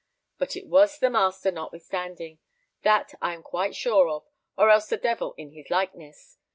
But it was the master, notwithstanding, that I am quite sure of, or else the devil in his likeness.